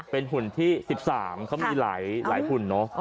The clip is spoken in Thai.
เป็นหุ่นที่๑๓เขามีหลายหุ่นเนอะ